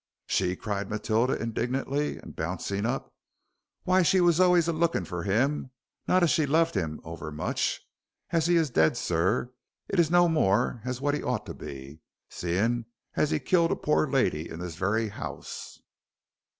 "She," cried Matilda, indignantly, and bouncing up. "Why, she was always a lookin' for him, not as she loved him over much. And as he is dead, sir, it's no more as what he oughter be, seeing as he killed a poor lady in this very 'ouse.